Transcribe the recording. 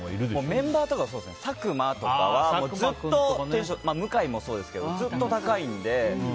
メンバーは佐久間とか向井もそうですけどずっと高いので。